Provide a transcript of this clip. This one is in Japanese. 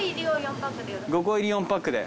５個入り４パックで。